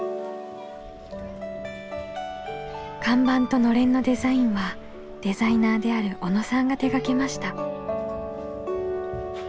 看板とのれんのデザインはデザイナーである小野さんが手がけました。